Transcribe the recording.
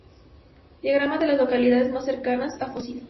Diagrama de las localidades más cercanas a Fossil